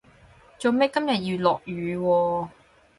做咩今日要落雨喎